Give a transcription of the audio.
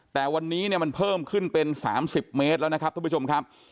แต่วันนี้มันเพิ่มขึ้นเป็น๓๐เมตรแล้วทุกผู้ชมครับ